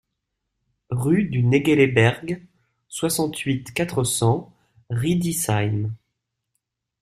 Rue du Naegeleberg, soixante-huit, quatre cents Riedisheim